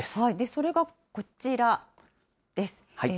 それがこちらです。